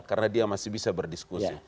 karena dia masih bisa berdiskusi